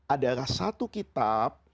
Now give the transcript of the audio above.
adalah satu kitab